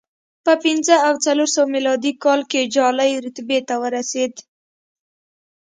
په پنځه او څلور سوه میلادي کال کې جالۍ رتبې ته ورسېد